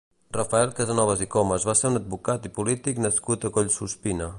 Rafael Casanova i Comes va ser un advocat i polític nascut a Collsuspina.